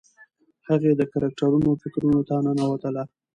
هغې د کرکټرونو فکرونو ته ننوتله.